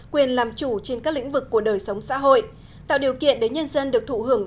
quyền làm chủ trên các lĩnh vực của đời sống xã hội tạo điều kiện để nhân dân được thụ hưởng